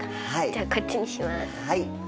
じゃあこっちにします。